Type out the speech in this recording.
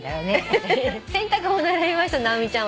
「洗濯物」を選びました直美ちゃん